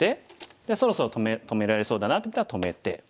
じゃあそろそろ止められそうだなと思ったら止めて。